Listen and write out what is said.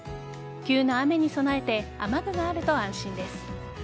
急な雨に備えて雨具があると安心です。